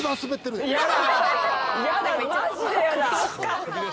嫌だ嫌だマジで嫌だ。